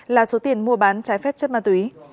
là số tiền mua bán trái phép chất ma túy